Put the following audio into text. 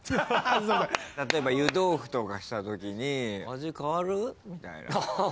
例えば湯豆腐とかしたときに味変わる？みたいな。